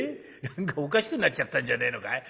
何かおかしくなっちゃったんじゃねえのかい？